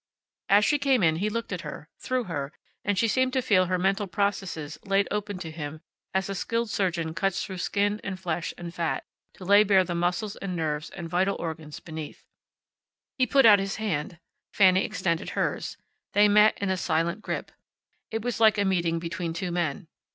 As she came in he looked at her, through her, and she seemed to feel her mental processes laid open to him as a skilled surgeon cuts through skin and flesh and fat, to lay bare the muscles and nerves and vital organs beneath. He put out his hand. Fanny extended hers. They met in a silent grip. It was like a meeting between two men.